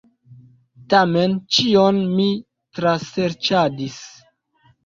Tamen ĉion mi traserĉadis.